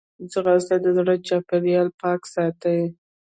ځغاسته د زړه چاپېریال پاک ساتي